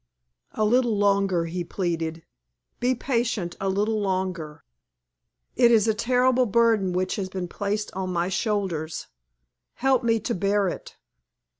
"A little longer," he pleaded. "Be patient a little longer. It is a terrible burden which has been placed on my shoulders. Help me to bear it.